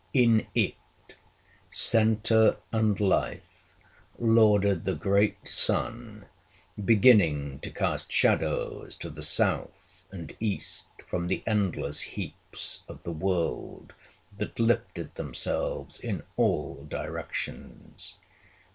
In it, centre and life, lorded the great sun, beginning to cast shadows to the south and east from the endless heaps of the world that lifted themselves in all directions.